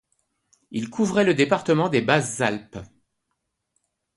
Il couvrait le département des Basses-Alpes.